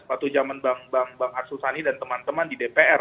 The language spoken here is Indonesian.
waktu zaman bang arsulsani dan teman teman di dpr